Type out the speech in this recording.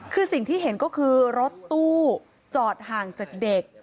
คือสิ่งที่เห็นก็คือรถตู้จอดห่างจากเด็ก